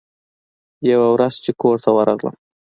يوه ورځ چې کور ته ورغلم.